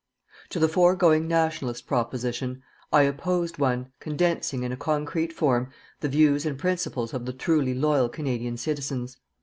To the foregoing "Nationalist" proposition, I opposed one condensing, in a concrete form, the views and principles of the truly loyal Canadian citizens.